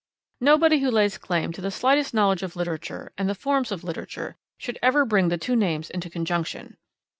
Nobody who lays claim to the slightest knowledge of literature and the forms of literature should ever bring the two names into conjunction.